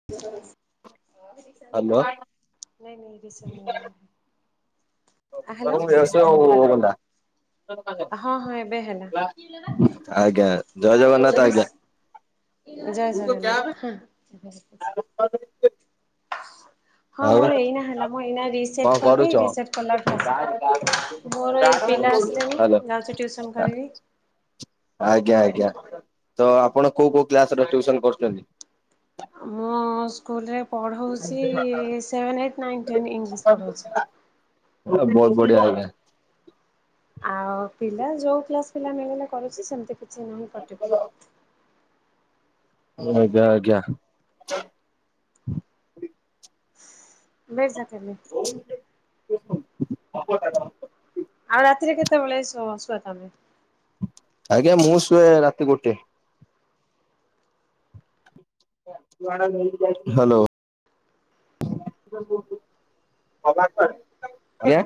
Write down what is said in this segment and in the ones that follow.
[inaudible] Hello. ନାଇଁ ନାଇଁ ଏ ରିଷନିଆ। [unintelligible] ହଁ ହଁ ଏବେ ହେଲା। ଆଜ୍ଞା ଜୟ ଜଗନ୍ନାଥ ଆଜ୍ଞା। ରିସ୍- ଜୟ ଜଗନ୍ନାଥ ହଁ ବସ୍ ବସ୍। [inaudible] ହଁ ଆଉ କଣ ମୋର ଏଇନା ହେଲା। ମୁଁ ଏଇନା ରିସେଟ୍ କଲି କରୁଛ? ରିସେଟ୍ କଲାଠୁ ଆସିଲା। ମୋର ଏଇ ପିଲା ଆସିଲେନି। ହ୍ୟାଲୋ ଯାଉଛି ଟିୟୁସନ୍ କରିବି। ଆଜ୍ଞା ଆଜ୍ଞା। ତ ଆପଣ କୋଉ କୋଉ କ୍ଲାସ ର ଟିଉସନ କରୁଛନ୍ତି? ମୁଁ ସ୍କୁଲରେ ପଢ଼ଉଚି। Seven, eighth, nine, ten English ପଢ଼ଉଛି। ବହୁତ ବଢିଆ ଆଜ୍ଞା। ଆଉ ପିଲା ଯୋଉ କ୍ଲାସ ପିଲା ମିଳିଲେ କରୁଛି ସେମିତି କିଛି ନାହିଁ ପର୍ଟିକୁଲାର। ଆଜ୍ଞା ଆଜ୍ଞା। [unintelligible] [inaudible] [unintelligible] ଆଉ ରାତିରେ କେତେବେଳେ ଶୁଅ ତମେ? ଆଜ୍ଞା ମୁଁ ଶୁଏ ରାତି ଗୋଟେ। ହାଲୋ। ଆଜ୍ଞା।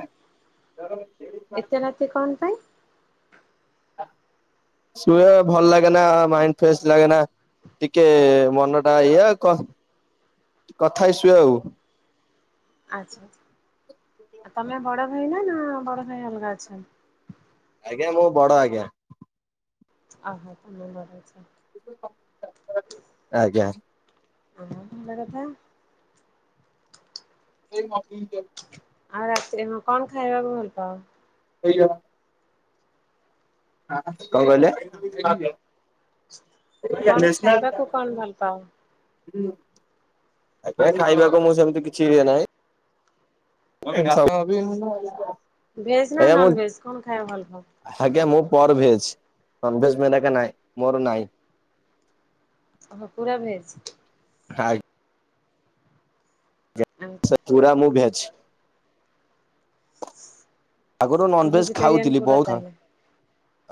[inaudible] ଏତେ ରାତି କଣ ପାଇଁ? ଶୁଏ ଭଲ ଲାଗେନା ମାଇଣ୍ଡ ଫ୍ରେଶ ଲାଗେନା। ଟିକେ ମନଟା ଏଇଆ କଥ୍ କଥାଈସୁ ଆଉ। ଆଚ୍ଛା ଆଚ୍ଛା ତମେ ବଡ ଭାଇ ନା ନା ବଡ ଭାଇ ଅଲଗା ଅଛନ୍? ଆଜ୍ଞା ମୁଁ ବଡ ଆଜ୍ଞା। ଅହ ତମେ ବଡ ଜା। ଆଜ୍ଞା। ଆ ଭଲ କଥା। [unintelligible] ଆଉ ରାତିରେ ହଁ କଣ ଖାଇବାକୁ ଭଲ ପାଅ। ଆଜ୍ଞା। କଣ କଣ କହିଲେ? ଖାଇବାକୁ କଣ ଭଲ ପାଅ? ନେସ୍‌ନାଲ୍ ଏବେ ଖାଇବାକୁ ମୁଁ ସେମିତି କିଛି ଇଏ ନାହିଁ। [unintelligible] ଭେଜ୍ ନା ମୁଁ ନନଭେଜ କଣ ଖାଇବାକୁ ଭଲ ପାଅ? ଆଜ୍ଞା ମୁଁ ପର ଭେଜ ନନଭେଜ ମେନକେ ନାଇଁ ମୋର ନାଇଁ। ଏହ ପୁରା ଭେଜ। ଖାଇ ଆଛା। ପୁରା ମୁଁ ଭେଜ। ଆଗରୁ ନନଭେଜ ଭେଜିଟେରୟନ ଖାଉଥିଲି ପୁର ବହୁତ ତାହେଲେ।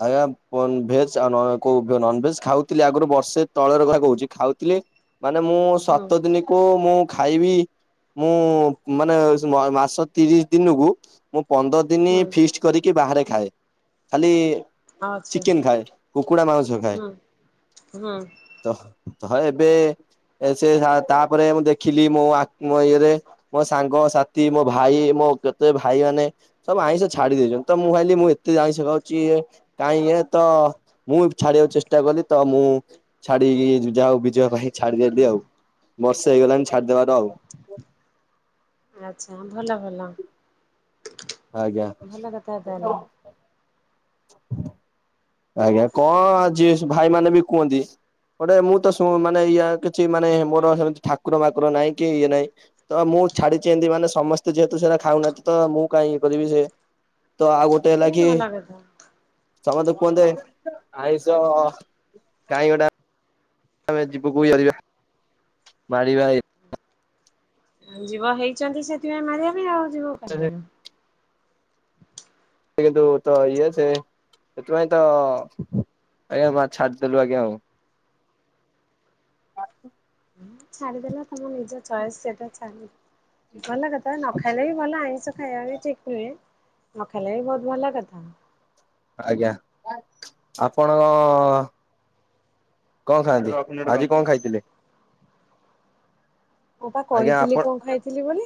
ଆଜ୍ଞା ବନ ଭେଜ ଆ ନ କୋଉ ନନ ଭେଜ ଖାଉଥିଲି ଆଗରୁ ବର୍ଷେ ତଳର କଥା କହୁଚି ଖାଉଥିଲି। ମାନେ ମୁଁ ହୁଁ ସାତ ଦିନକୁ ମୁଁ ଖାଇବି ମୁଁ ମାନେ ମାସ ତିରିସି ଦିନକୁ ମୁଁ ପନ୍ଦର ଦିନି ହୁଁ ଫିଷ୍ଟ କରିକି ବାହାରେ ଖାଏ ଖାଲି ଆଚ୍ଛା ଚିକେନ ଖାଏ କୁକୁଡ଼ା ମାଉଁସ ଖାଏ। ହୁଁ ହୁଁ ତ ତ ଏବେ ସେ ହ ତାପରେ ମୁଁ ଦେଖିଲି ମୋ ଆ ମୋ ଇଏରେ ମୋ ସାଙ୍ଗ ସାଥି ମୋ ଭାଇ ମୋ କେତେ ଭାଇ ମାନେ ସବୁ ଆଇଁଷ ଛାଡି ଦେଇଚନ୍ତି ତ ମୁଁ ଭାବିଲି ମୁଁ ଏତେ ଆଇଁଷ ଖାଉଚି କାଇଁ ଇଏ ତ ମୁଁ ଏବେ ଛାଡିବାକୁ ଚେଷ୍ଟା କଲି ତ ମୁଁ ଛାଡିକି ଯାହାହଉ ବିଜୟ ଭାଈ ଛାଡିଦେଲି ଆଉ। ବର୍ଷ ହେଇଗଲାଣି ଛାଡିଦବାର ଆଉ। ଆଚ୍ଛା ଭଲ ଭଲ। ଆଜ୍ଞା। ଭଲ କଥା ତାହେଲେ। ଆଜ୍ଞା କଣ ଆଜି ଭାଇ ମାନେ ବି କୁହନ୍ତି। ଗୋଟେ ମୁଁ ତ ସୋ ମାନେ ଇଆ କିଛି ମାନେ ମୋର ସେମିତି ଠାକୁର ବାକୁର ନାହିଁ କି ଇଏ ନାଇଁ। ତ ମୁ ଛାଡିଚି ଏନ୍ତି ମାନେ ସମସ୍ତେ ଯେହେତୁ ସେଇଟା ଖାଉନାହାନ୍ତି ତ ମୁଁ କାଇଁ ଇଏ କରିବି ସେ ତ ଆଉ ଗୋଟେ ହେଲା ଏ କି ଭଲ କଥା। ସମତେ କୁହନ୍ତେ ଆଇଁଷ କାଇଁ ଗୋଟା ଆମେ ଯିବୁକୁମାରିବା ପାରିବା ଏ ଯିବ ହେଇଚନ୍ତି ସେଥିପାଇଁ ମାରିବା ପାଇଁ ଆଉ ଯିବ କାଇଁ ମାରିବ। କିନ୍ତୁ ତ ଇଏ ଯେ ସେଥିପାଇଁ ତ ଆଜ୍ଞା ମା ଛାଡ଼ିଦେଲୁ ଆଜ୍ଞା ଆଉ। ଛାଡିଦେଲ ତମ ନିଜ ଚଏସ୍ ସେଟା ଛା ଭଲ କଥା ନ ଖାଇଲେ ବି ଭଲ ଆଇଁଷ। ହାଇବା ବି ଚିକେନ ନ ଖାଇଲେ ବି ବହୁତ ଭଲ କଥା। ଆଜ୍ଞା ଆପଣ କଣ ଖାଆନ୍ତି ଆଜି କଣ ଖାଇଥିଲେ। ମୁଁ ପା ଆଜ୍ଞା କହିଥିଲି ଆପଣ କଣ ଖାଇଥିଲି ବୋଲି।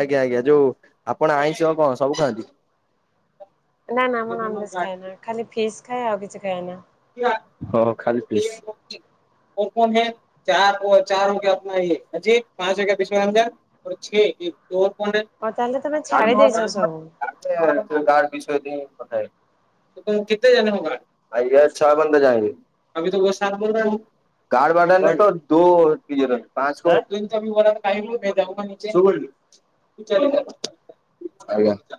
ଆଜ୍ଞା ଆଜ୍ଞା ଯୋଉ ଆପଣ ଆଇଁଷ କଣ ସବୁ ଖାଆନ୍ତି। ନା ନା ମୁଁ ନନଭେଜ ଖାଏନା ଖାଲି ଫିସ୍ ଖାଏ ଆଉ କିଛି ଖାଏନା। [unintelligible] ଖାଲି ପିସ୍। [unintelligible] ଇଏ ଅଛି [unintelligible] ଅଛି ଏଇ [unintelligible] ହଁ ତାହେଲେ ତମେ ଛାଡି ଦେଇଚ ସବୁ। [unintelligible] ବିଷୟ [unintelligible] [unintelligible] କାର୍ଡ ବାଡା ନି ତୋ ଦୋ ଇଏରେ ପାଞ୍ଚ [unintelligible] [unintelligible] ଆଜ୍ଞା [unintelligible] [unintelligible]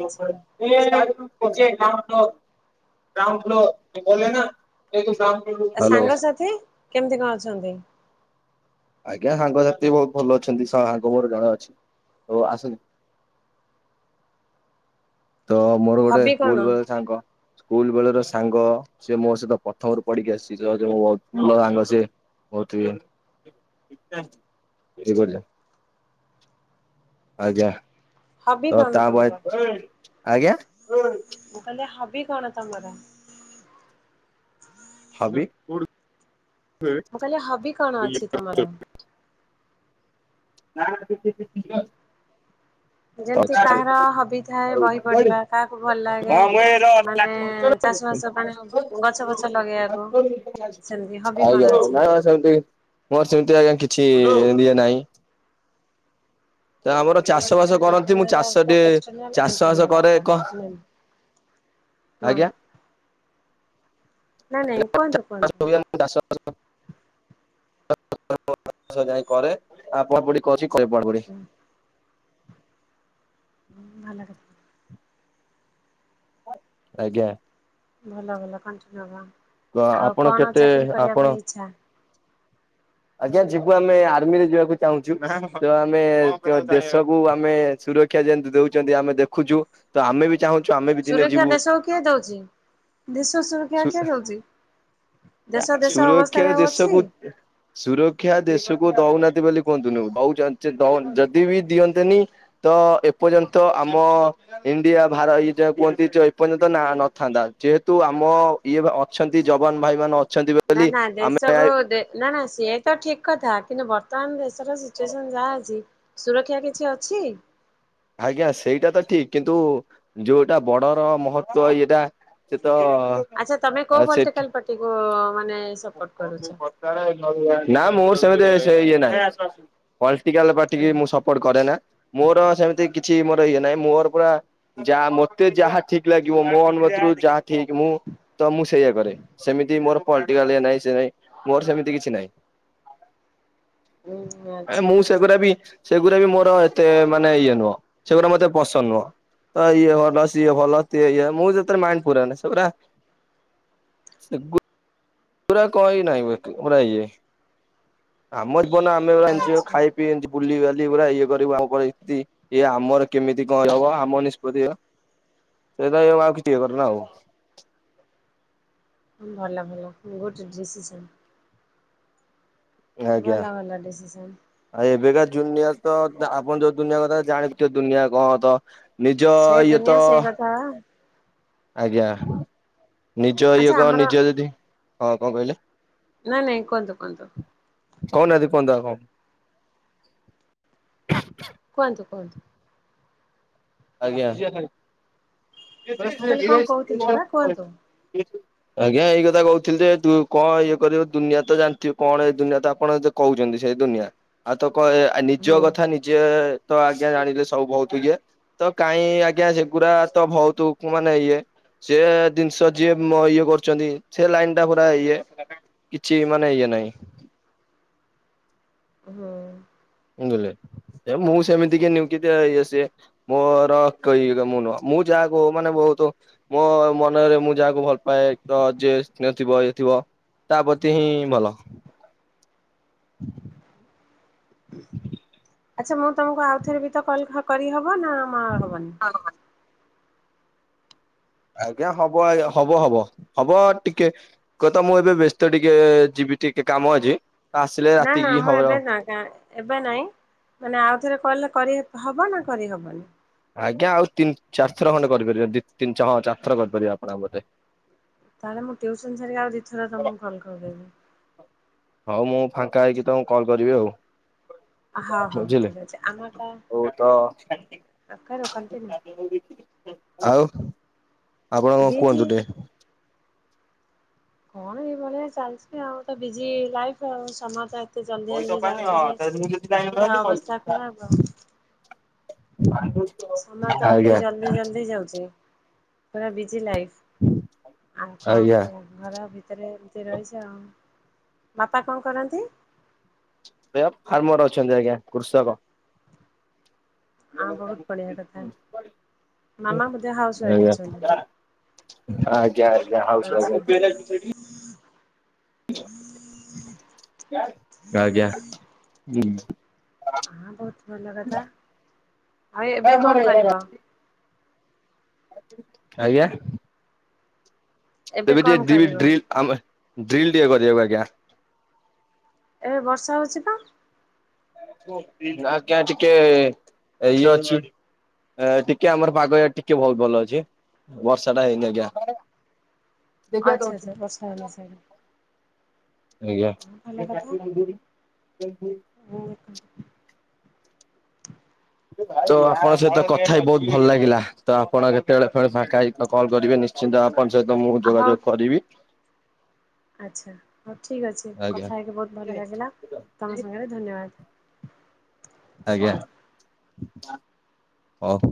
ଗ୍ରାଉଣ୍ଡ ଫ୍ଲୋର ଗ୍ରାଉଣ୍ଡ ଫ୍ଲୋର ଗଲେନା [unintelligible] ଆ ସାଙ୍ଗସାଥି କେମିତି କଣ ଅଛନ୍ତି? ଆଜ୍ଞା ସାଙ୍ଗସାଥି ବହୁତ ଭଲ ଅଛନ୍ତି ସାଙ୍ଗ ମୋର ଗାଁ ଅଛି ଓ ଆସନି। ତ ମୋର ଗୋଟେ ହବି କଣ ସ୍କୁଲ ବେଳର ସାଙ୍ଗ। ସ୍କୁଲ ବେଳର ସାଙ୍ଗ ସିଏ ମୋ ସହିତ ପଥମରୁ ପଢିକି ଆସିଚି [unintelligible] ବହୁତ ଭଲ ସାଙ୍ଗ ସିଏ। ବହୁତି କିଏ କଇଲା ଆଜ୍ଞା। ହବି ତ କଣ ତା ତମର? ବଏ ଆଜ୍ଞା। ତାହେଲେ ହବି କଣ ତମର? ହବି ଉଠୁ ମୁଁ କହିଲି ହବି କଣ ଅଛି ତମର? ନାଁ ନାଁ [unintelligible] ଯେମିତି [unintelligible] କାହାର ହବି ଥାଏ ଲାଟିନ ବହି ପଢିବା କାହାକୁ ଭିତରେ। ଭଲ ଲାଗେ ଆଜ୍ଞା ମାନେ [unintelligible] ଚାଷ ବାସ ମାନେ ଛନ୍ତି ଗଛ ଫଛ ମୋର ଲଗେଇବାକୁ ସେମିତି ସେମିତି ହବି କଣ ଅଛି? ଆଜ୍ଞା କିଛି ଦିଏ ନାଇଁ। ଚାଷ ବାସ କରନ୍ତି ମୁଁ ଇଣ୍ଟରନାଲ ଚାଷ ଅଗା ଟେ ଏକ୍ସଟରନାଲ ଚାଷ ବାସ ଇଣ୍ଟରନାଲ କରେ ଅଗା ଏକ ନେମ୍। ହଁ। ଆଜ୍ଞା ନାଇଁ ନାଇଁ କୁହନ୍ତୁ କୁହନ୍ତୁ। [unintelligible] ବାସ [unintelligible] ଯାଇ କରେ ଆଉ [unintelligible] [unintelligible] ଉଁ ହୁଁ ଭଲ କଥା। ଆଜ୍ଞା। ଭଲ ଭଲ କଣ୍ଟିନ୍ୟୁ ତ [unintelligible] ଆଉ ଆପଣ କଣ କେତେ ଚାକିରି କରିବା ଆପଣ ପାଇଁ ଇଚ୍ଛା? ଆଜ୍ଞା ଯିବନେ ଆର୍ମିରେ ଯିବାକୁ ଚାହୁଁଛୁ ତ ଆମେ ଦେଶକୁ ଆମେ ସୁରକ୍ଷା ଯେମିତି ଦଉଚନ୍ତି ଆମେ ଦେଖୁଚୁ ତ ଆମେ ବି ଚାହୁଁଛୁ ଆମେ ବି ଦିନେ ସୁରକ୍ଷା ଯିବୁ। ଦେଶକୁ କିଏ ଦଉଚି ଦେଶ ସୁରକ୍ଷା କିଏ ଦଉଚି? ସୁରକ୍ଷା ଦେଶକୁ ସୁରକ୍ଷା ଦେଶକୁ ଦଉନାହାନ୍ତି ବୋଲି କୁହନ୍ତୁନୁ ହଉ। [unintelligible] ଯଦି ବି ଦିଅନ୍ତେନି ତ ଏପର୍ଯ୍ୟନ୍ତ ଆମ ଇଣ୍ଡିଆ ଭାର ଇଏ ଯାହା କୁହନ୍ତି ଚେ ଏପର୍ଯ୍ୟନ୍ତ ନା ନଥାନ୍ତା ଯେହେତୁ ଆମ ଇଏ ବା ଅ ଛନ୍ତି ଯବାନ ଭାଇ ମାନେ ଅ ନା ନା ଦେଶକୁ ଦେ ନା ନା ସିଏତ ଠିକ କଥା କିନ୍ତୁ ବର୍ତ୍ତମାନ ଦେଶର ସିଚୁଏସନ ଯାହା ଅଛି। ସୁରକ୍ଷା କିଛି ଅଛି? ଆଜ୍ଞା ସେଇଟା ତ ଠିକ୍ କିନ୍ତୁ ଯୋଉଟା ବଡ଼ର ମହତ୍ଵ ଇଏଟା। ସେତ ଆଚ୍ଛା ତମେ କୋଉ ପଲିଟିକାଲ ପାର୍ଟିକୁ ମାନେ ସପୋର୍ଟ କରୁଚ? ନା ମୋର ସେମିତି ସେ ଇଏ ନାହିଁ ପଲଟିକାଲ ପାଟିକି ମୁଁ ସ ପଟ୍ କରେ ନା ମୋର ସେମିତି କିଛି ମୋର ଇଏ ନାଇଁ ମୋର ପୁରା ଯାହା ମତେ ଯାହା ଠିକ ଲାଗିବ ମୋ ଅନମତିରୁ ଯାହା ଠିକ ମୁଁ ତ ମୁଁ ସେଇୟଆ କରେ ସେମିତି ମୋର ନାଇଁ ସେ ନାଇଁ ମୋର ସେମିତି କିଛି ନହିଁ। ଉଁ ଆ ଆଚ୍ଛା ମୁଁ ସେଗୁଡ଼ା ବି ସେଗୁଡା ବି ମୋର ଏତେ ମାନେ ଇଏ ନୁହଁ ସେଗୁଡା ମତେ ପସନ୍ଦ ନୁହଁ। ତ ଇଏ ଭଲ ସିଏ ଭଲଏ ଇଏ ମୁଁ ଯେତେବେଳେ ମାଇଣ୍ଡ ପୁରାଏ ନି ପୁରା ସୁ। ପୁରା କହ ନହିଁ ପୁରା ଇଏ ଆମ ଜୀବନ ଆମେ ଜଣି ଆଚ୍ଛା ଖାଇ ଏମତି ବୁଲିିବାଲି ପୁରା ଇଏ କରିବୁ ଆମଥିତି। ଇଏ ଆମର କେମିତି କଣ ହବ ଆମ ନିଷ୍ପତ୍ତିବା ସେଇଟା ଆଉ କିଛି ଇଏ କରରେ ନା ଆଉ। ଭଲ ଭଲ ଗୁଡ ଡିସିସନ। ଭଲ ଭଲ ଡିସିସନ୍। ଆ ଏବେକା ଦୁନିଆ ତ ଆପଣ ଯୋଉ ଦୁନିଆ କଥା ଜାଣିଥିବ ଦୁନିଆ କଣ ତ। ନିଜ ୟଏତ ହଁ। ଆଜ୍ଞା ନିଜ ଆଚ୍ଛା ଇଏ କଣ ଆମର ନିଜ ଯଦି ହଁ କଣ କହିଲେ? ନାଇଁ ନାଇଁ କୁହନ୍ତୁ କୁହନ୍ତୁ। କହୁନାହାନ୍ତି କୁହନ୍ତୁ ଆପଣ। କୁହନ୍ତୁ କୁହନ୍ତୁ। ଆଜ୍ଞା। [inaudible] ମୁଁ କହିଲି କଣ କହୁଥିଲେ ବା କୁହନ୍ତୁ। ଆଜ୍ଞା ଏଇ କଥା କହୁଥିଲି ଯେ କଣ ଇଏ କରିବ ଦୁିଆ ତ ଜାଣିଥିବ କଣ ଏଇ ଦୁନିଆ ତ ଆପଣ କହୁଛନ୍ତି ସେଇ ଦୁନିଆ ଆଉ ତ କ ଆ ନିଜ ହୁଁ କଥା ନିଜେ ତ ଆଜ୍ଞା ଜାଣିଲେ ସବୁ ବହୁତ ଇଏ। ତ କାହିଁ ଆଜ୍ଞା ସେଗୁଡ଼ା ତ ବହୁତ ମାନେ ଇଏ। ସେ ଜିନିଷ ଯିଏ ଇଏ କରୁଛନ୍ତି ସେ ଲାଇନ ଟା ପୁରା ଇଏ। କିଛି ମାନେ ଇଏ ନାହିଁ। ହୁଁ। ବୁଝିଲ ଏ ମୁଁ ସେମିତି କି ନିଉ କିି ଇଏ ସି ମୋର କକି ମୁଁ ନୁହଁ ମୁଁ ଯାହାକୁ ମାନେ ବହୁତ ମୋ ମନରେ ମୁଁ ଯାହାକୁ ଭଲ ତ ଯଏ ସ୍ନେହ ଥିବ ଇଏ ଥିବ ତା ପ୍ରତି ହିଁ ଭଲ। ଆଚ୍ଛା ମୁଁ ତମକୁ ଆଉଥରେ ବି ତ କଲ କରିହବ ନା ହବନି। ହଁ। ଆଜ୍ଞା ହବ ଆଜ୍ ହବ ହବ ହବ ଟିକେ କୁହ ତ ମୁଁ ଏବେ ବ୍ୟସ୍ତ ଟିକେ ଯିବି ଟିକେ କାମ ଅଛି ଆସିଲେ ନା ନା ରାତିକି ମୁଁ ଏବେ ହବର ଆଉ। ନା ଏବେ ନାଇଁ ମାନେ ଆଉଥରେ କିଲ କରି ହବ ନା କରିହବନି। ଆଜ୍ଞା ଆଉ ତିନି ଚାରିଥ ଖଣ୍ଡେ କରିପାରିବା ତିନି ହଁ ଚାର ଥର କରିପାରିବା ଆପଣଙ୍କ ବୋଧେ। ତାହେଲେ ମୁଁ ଟ୍ୟଉସନ୍ ାିକ ଆଉ ଇଥରେ ତମକୁ କଲ କରିଦେବି। ହଉ ମୁଁ ଫାଙ୍କା ହେଇକି ତମକୁ କଲ୍ କରିବି ଆଉ। ହଉ ହଉ ବୁଝିଲେ ଠିକ ଅଛି ଆମର ତ କ କଣ୍ଟିନ୍ୟିୁ ଆଉ ଆପଣ କଣ ଦେଇଛି। କୁହନ୍ତୁ ଟିକେ? କଣ ଏଇଭଳିଆ ଚାଲିଛି ଆଉ ତ ବିଜି ଲାଇଫ ଆଉ ସମାର ଏତେ ଜଲ୍ଦି ଜଲଦି କହିଦବାନି ଯାଉଛୁ ହଁ ଯେ ତାହେଲେ ମୁଁ ଯଦି ପୁରା ଜାଣିନଥାନ୍ତି ଅବସ୍ଥା କହିଦେଇଥାନ୍ତି। ଖରାପ। [unintelligible] ସମୟ ଟା ଅତି ଆଜ୍ଞା ଜଲ୍ଦି ଜଲ୍ଦି ଯାଉଛି। ପୁରା ବିଜି ଲାଇଫ୍ ଆଉ କଣ ଆଜ୍ଞା କରିବା। ଘର ଭିତରେ ଏମିତି ରହିଛି ଆଉ ବାପା କଣ କରନ୍ତି? ସେ ଫାର୍ମର ଅଛନ୍ତି ଆଜ୍ଞା କୃଷକ। ହଁ ବହୁତ ବଢିଆ କଥା ମାମା ବୋଧେ ହାଉସ ୱାଇଫ୍ ଅଛନ୍ତି। ହଁ ଆଜ୍ଞା ଆଜ୍ଞା ହଉଛ ଆଚ୍ଛା ଆଜ୍ଞ। ହୁଁ। ଆଜ୍ଞା ଉଁ। ହଁ ବୋହୁତ ଭଲ କଥା। ଆଉ ଏବେ କଣ କରିବ? ଆଜ୍ଞା ଆଜ୍ଞା। ଏବେ ତେବେ ଟିକେ କଣ ଡ୍ରିଲ କରିବ ଡ୍ରିଲ ଆମେ ଡ୍ରିଲ ଟିକେ କରିବାକୁ ଆଜ୍ଞା। ଏବେ ବର୍ଷା ହୋଉଚି ତ। ଆ କ୍ୟା ଟିକେ ଇଏ ଅଛି। ଏ ଟିକେ ଆମର ପାଗ ଟିକେ ବୋହୁତ ଭଲ ଅଛି ବର୍ଷା ଟା ହେଇନି ଆଜ୍ଞା। ଆଚ୍ଛା ଆଚ୍ଛା ବର୍ଷା ହେଲେ ସ‌ଇଲା। ଆଜ୍ଞା। ଭଲ କଥା [unintelligible] ତ ଆପଣଙ୍କ ସହିତ କଥା ହେଇ ବୋହୁତ ଭଲ ଲାଗିଲା। ତ ଆପଣ କେତେବେଳେ ଫେଣେ ଫାଙ୍କା ହେଇକି କଲ କରିବେ ନିଶ୍ଚିନ୍ତ ଆ ପଣ ସହିତ ମୁଁ ହଉ ଯୋଗାଯୋଗ କରିବି। ଆଚ୍ଛା ହୋଉ ଠିକ୍ ଅଛି ଆଜ୍ଞା। କଥା ହେଇକି ବୋହୁତ ଭଲ ଲାଗିଲା ତୁମ ସାଙ୍ଗରେ ଧନ୍ୟବାଦ। ଆଜ୍ଞା ହୋଉ।